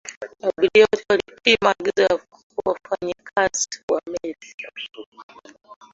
abiria wote walitii maagizo ya wafanyikazi wa meli